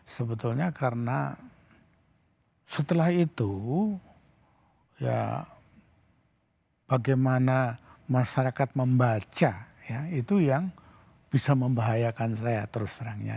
sebetulnya karena setelah itu ya bagaimana masyarakat membaca ya itu yang bisa membahayakan saya terus terangnya